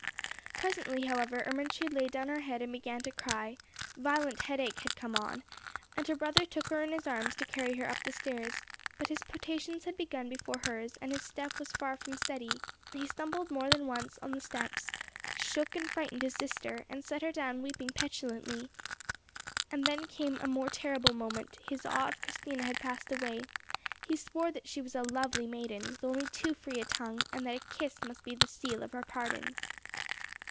Presently however Ermentrude laid down her head and began to cry—violent headache had come on—and her brother took her in his arms to carry her up the stairs; but his potations had begun before hers, and his step was far from steady; he stumbled more than once on the steps, shook and frightened his sister, and set her down weeping petulantly. And then came a more terrible moment; his awe of Christina had passed away; he swore that she was a lovely maiden, with only too free a tongue, and that a kiss must be the seal of her pardon.